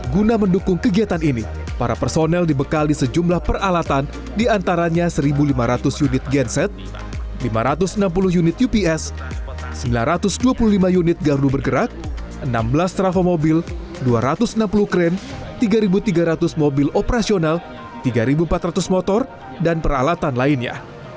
guna mendukung kegiatan ini para personel dibekali sejumlah peralatan di antaranya satu lima ratus unit genset lima ratus enam puluh unit ups sembilan ratus dua puluh lima unit gardu bergerak enam belas trafo mobil dua ratus enam puluh kren tiga tiga ratus mobil operasional tiga empat ratus motor dan peralatan lainnya